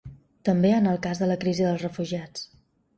També en el cas de la crisi dels refugiats.